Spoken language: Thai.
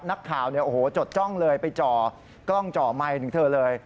นักข่าวเนี่ยโอ้โหจดจ้องเลยไปจ่อกล้องจ่อไมค์ถึงเธอเลย